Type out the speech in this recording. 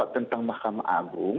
tentang mahkamah agung